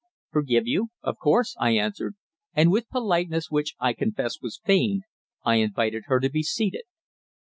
"Forgive you? Of course," I answered; and with politeness which I confess was feigned, I invited her to be seated.